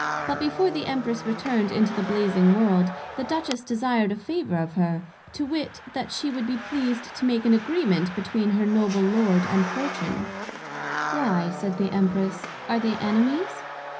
But before the Empress returned into the Blazing world, the Duchess desired a Favour of her, to wit, That she would be pleased to make an Agreement between her Noble Lord, and Fortune. Why, said the Empress, are they Enemies?